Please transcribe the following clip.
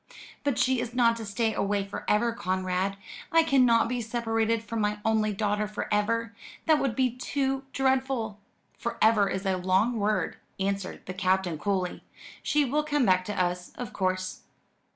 "But she is not to stay away for ever, Conrad. I cannot be separated from my only daughter for ever. That would be too dreadful." "'For ever' is a long word," answered the Captain coolly. "She will come back to us of course."